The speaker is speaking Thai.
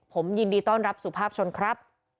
ผมยินดีต้อนรับสุภาพชนครับ